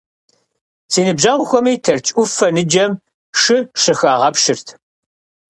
Си ныбжьэгъухэми Тэрч Ӏуфэ ныджэм шы щыхагъэпщырт.